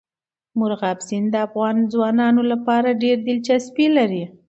مورغاب سیند د افغان ځوانانو لپاره ډېره دلچسپي لري.